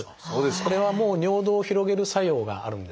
これはもう尿道を広げる作用があるんですね。